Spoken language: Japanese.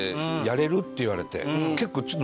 「やれる？」って言われて。